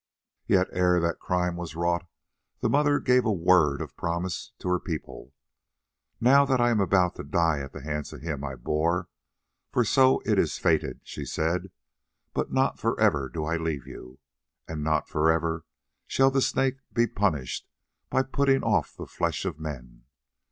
"Yet ere that crime was wrought the Mother gave a word of promise to her people. 'Now I am about to die at the hands of him I bore, for so it is fated,' she said. 'But not for ever do I leave you, and not for ever shall the Snake be punished by putting off the flesh of men.